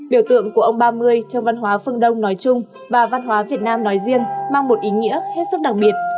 biểu tượng của ông ba mươi trong văn hóa phương đông nói chung và văn hóa việt nam nói riêng mang một ý nghĩa hết sức đặc biệt